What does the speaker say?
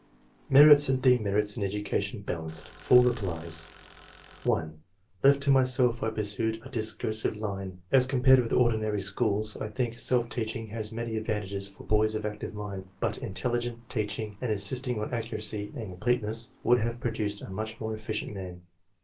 '' MERITS AND DEMERITS IN EDUCATION BALANCED — FOUR REPLIES. (1) " Left to myself, and I pursued a discur sive line. As compared with ordinary schools, I think self teaching has many advantages for boys of active minds; but intelligent teaching and insisting on accuracy and completeness would have produced a much more efficient man."